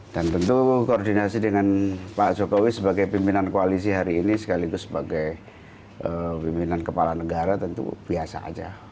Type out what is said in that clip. dan tentu koordinasi dengan pak jokowi sebagai pimpinan koalisi hari ini sekaligus sebagai pimpinan kepala negara tentu biasa aja